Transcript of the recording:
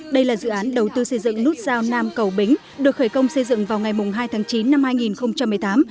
đây là dự án đầu tư xây dựng nút giao nam cầu bính được khởi công xây dựng vào ngày hai tháng chín năm hai nghìn một mươi tám